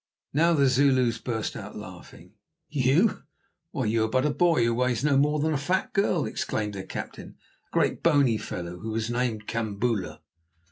Now the Zulus burst out laughing. "You! Why, you are but a boy who weighs no more than a fat girl," exclaimed their captain, a great, bony fellow who was named Kambula.